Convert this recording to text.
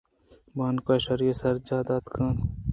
بانک شری ءَ سرجاہ ءَتکہ دات ءُگوٛشت